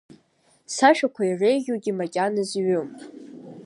Сашәақәа иреиӷьугьы макьаназ иҩым.